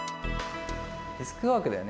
デスクワークだよね？